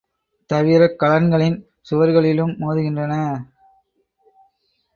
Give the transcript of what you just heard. தவிரக் கலன்களின் சுவர்களிலும் மோதுகின்றன.